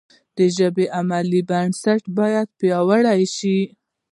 د ژبې علمي بنسټونه باید پیاوړي شي.